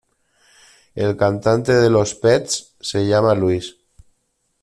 El cantante de los Pets se llama Luís.